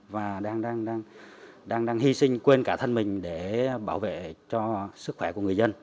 và đang hy sinh quên cả thân mình để bảo vệ cho sức khỏe của người dân